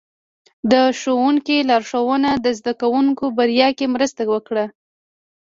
د ښوونکي لارښوونه د زده کوونکو بریا کې مرسته وکړه.